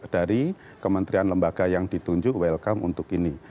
dari kementerian lembaga yang ditunjuk welcome untuk ini